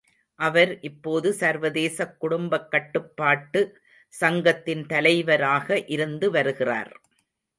அவர் இப்போது சர்வதேசக் குடும்பக் கட்டுப்பாட்டு சங்கத்தின் தலைவராக இருந்துவருகிறார்.